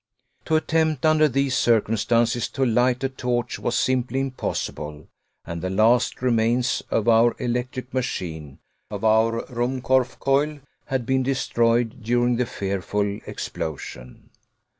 To attempt under these circumstances to light a torch was simply impossible, and the last remains of our electric machine, of our Ruhmkorff coil, had been destroyed during the fearful explosion.